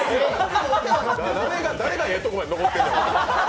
誰がええとこまで残ってんのや。